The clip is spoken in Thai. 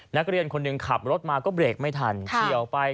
นักเรียนคนหนึ่งขับรถมาก็เบรกไม่ทันเฉียวไป